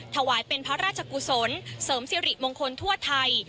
ถวายเป็นพระราชกุศลเสริมสิริมงคลทั่วไทย